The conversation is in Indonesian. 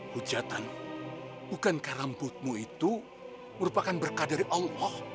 hujatan bukankah rambutmu itu merupakan berkah dari allah